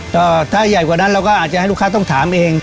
ก็ถ้าใหญ่กว่านั้นเราก็อาจจะให้ลูกค้าต้องถามเอง